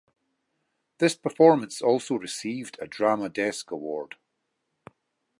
This performance also received a Drama Desk Award.